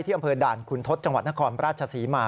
อำเภอด่านคุณทศจังหวัดนครราชศรีมา